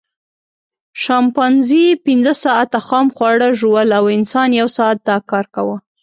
شامپانزي پینځه ساعته خام خواړه ژوول او انسان یو ساعت دا کار کاوه.